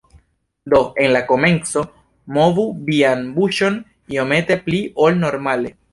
Do, en la komenco movu vian buŝon iomete pli ol normale.